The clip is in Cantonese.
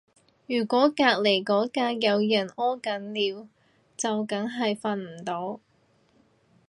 如果隔離嗰格有人屙緊屎就梗係瞓唔到